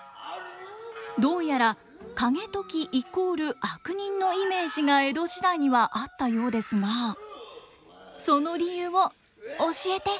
どうやら景時イコール悪人のイメージが江戸時代にはあったようですがその理由を教えて！